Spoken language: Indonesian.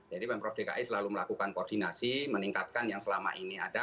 jadi pemprov dki selalu melakukan koordinasi meningkatkan yang selama ini ada